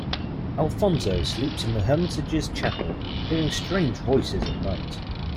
Alfonso sleeps in the hermitage's chapel, hearing strange voices at night.